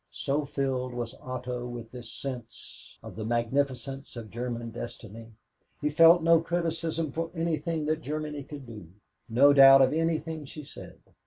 So filled was Otto with this sense of the magnificence of German destiny, he felt no criticism for anything that Germany could do, no doubt of anything she said.